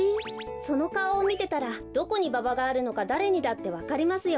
そのかおをみてたらどこにババがあるのかだれにだってわかりますよ。